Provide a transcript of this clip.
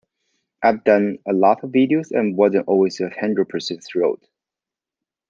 I'd done a lot of videos and wasn't always a hundred percent thrilled.